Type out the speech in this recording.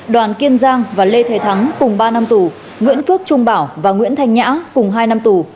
đoàn kiên giang và lê thế thắng cùng ba năm tù nguyễn phước trung bảo và nguyễn thanh nhã cùng hai năm tù